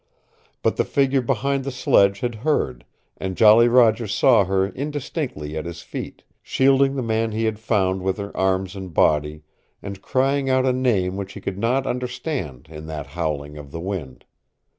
But the figure behind the sledge had heard, and Jolly Roger saw her indistinctly at his feet, shielding the man he had found with her arms and body, and crying out a name which he could not understand in that howling of the wind.